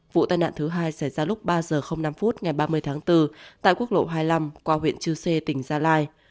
vụ tai nạn thứ hai xảy ra lúc ba h năm ngày ba mươi tháng bốn tại quốc lộ hai mươi năm qua huyện chư sê tỉnh gia lai